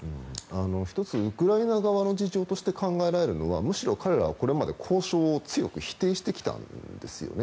１つウクライナ側の事情として考えられるのは、むしろ彼らはこれまで交渉を強く否定してきたんですよね。